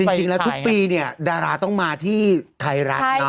จริงแล้วทุกปีเนี่ยดาราต้องมาที่ไทยรัฐเนาะ